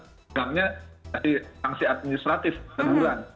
pegangnya dari sanksi administratif keguguran